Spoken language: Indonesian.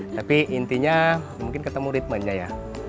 tapi intinya mungkin ketemu ritmennya ya